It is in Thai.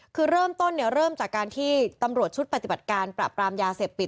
คือเริ่มต้นเริ่มจากการที่ตำรวจชุดปฏิบัติการปราบปรามยาเสพติด